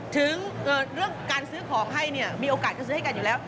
ถึงเรื่องการซื้อของให้มีโอกาสเขาซื้อให้กันอยู่แล้ว